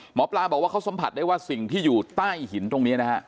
หมอปลาบอกว่าเขาสัมผัสได้ว่าสิ่งที่อยู่ใต้หินตรงนี้นะฮะ